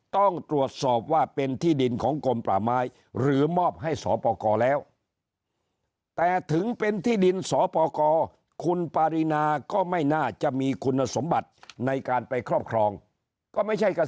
ต้องตรวจสอบว่าเป็นที่ดินของกลมป่าไม้หรือมอบให้สปกรแล้วแต่ถึงเป็นที่ดินสปกรคุณปารีนาก็ไม่น่าจะมีคุณสมบัติในการไปครอบครองก็ไม่ใช่ก็